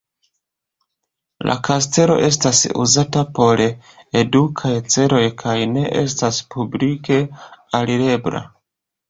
La kastelo estas uzata por edukaj celoj kaj ne estas publike alirebla.